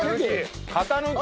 型抜き